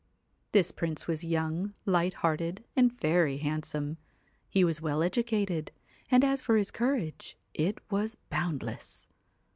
This prince was young, light hearted, and very handsome ; he was well educated ; and as for his courage, it was boundless.